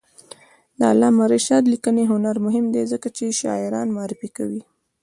د علامه رشاد لیکنی هنر مهم دی ځکه چې شاعران معرفي کوي.